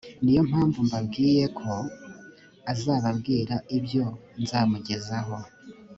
ni yo mpamvu mbabwiye ko azababwira ibyo nzamugezaho